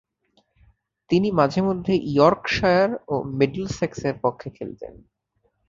তিনি মাঝে-মধ্যে ইয়র্কশায়ার ও মিডলসেক্সের পক্ষে খেলতেন।